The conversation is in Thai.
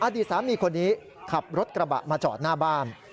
อดีตสามีคนนี้ขับรถกระบะมาจอดหน้าบ้าน